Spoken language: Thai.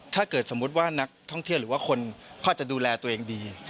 ถ้าเกิดสมมติว่านักท่องเที่ยนหรือว่าคนความจะดูแลตัวเองดี